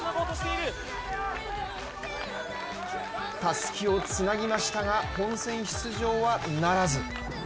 たすきをつなぎましたが、本選出場はならず。